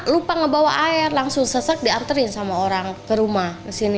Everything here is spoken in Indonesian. lupa ngebawa air langsung sesak diarterin sama orang ke rumah kesini